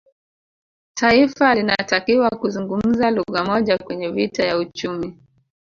Taifa linatakiwa kuzungumza lugha moja kwenye vita ya uchumi